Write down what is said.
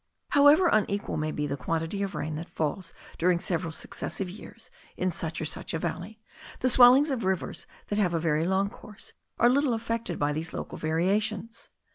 However unequal may be the quantity of rain that falls during several successive years, in such or such a valley, the swellings of rivers that have a very long course are little affected by these local variations.